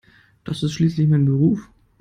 Das ist schließlich mein Beruf.